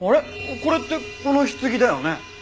これってこの棺だよね？